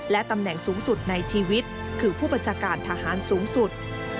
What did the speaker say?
และตำแหน่งสูงสุดในชีวิตคือผู้บัญชาการทหารสูงสุด